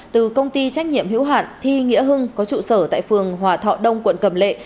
từ công ty trách nhiệm hữu hạn thi nghĩa hưng có trụ sở tại phường hòa thọ đông quận cầm lệ